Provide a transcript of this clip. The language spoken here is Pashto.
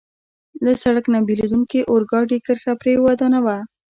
له سړک نه بېلېدونکې د اورګاډي کرښه پرې ودانوه.